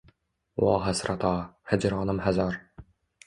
Vo hasrato, hijronim hazor